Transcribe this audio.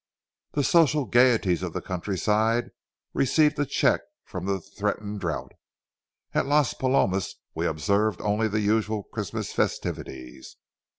The social gayeties of the countryside received a check from the threatened drouth. At Las Palomas we observed only the usual Christmas festivities.